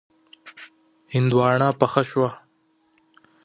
هندواڼه پخه شوه.